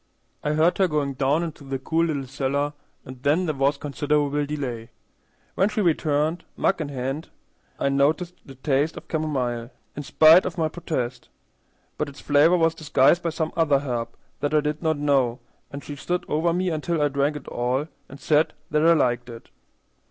I heard her going down into the cool little cellar, and then there was considerable delay. When she returned, mug in hand, I noticed the taste of camomile, in spite of my protest; but its flavor was disguised by some other herb that I did not know, and she stood over me until I drank it all and said that I liked it.